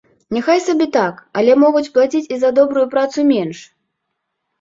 Няхай сабе так, але могуць плаціць і за добрую працу менш.